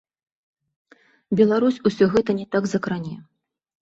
Беларусь усё гэта не так закране.